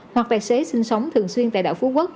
hoặc tài xế sinh sống thường xuyên tại đảo phú quốc